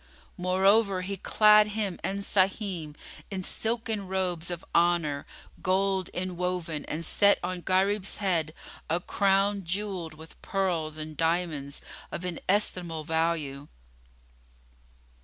Moreover he clad him and Sahim in silken robes of honour gold inwoven and set on Gharib's head a crown jewelled with pearls and diamonds of inestimable value.